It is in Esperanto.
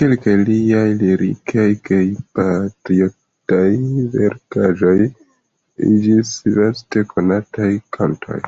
Kelkaj liaj lirikaj kaj patriotaj versaĵoj iĝis vaste konataj kantoj.